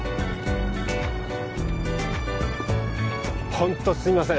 ホントすみません